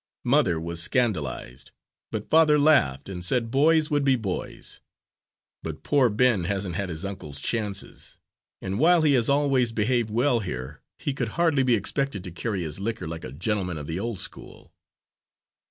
Mother was scandalised, but father laughed and said boys would be boys. But poor Ben hasn't had his uncle's chances, and while he has always behaved well here, he could hardly be expected to carry his liquor like a gentleman of the old school."